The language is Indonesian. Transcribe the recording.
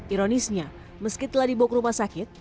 ironisnya meski telah dibawa ke rumah sakit